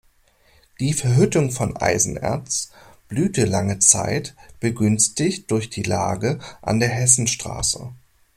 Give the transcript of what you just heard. Die Verhüttung von Eisenerz blühte lange Zeit, begünstigt durch die Lage an der Hessenstraße.